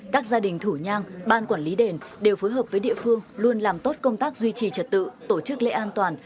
các gia đình thủ nhang ban quản lý đền đều phối hợp với địa phương luôn làm tốt công tác duy trì trật tự tổ chức lễ an toàn